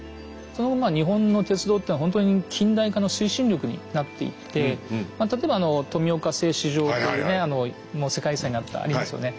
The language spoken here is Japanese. その後日本の鉄道っていうのはほんとに近代化の推進力になっていって例えば富岡製糸場というねもう世界遺産になったありますよね。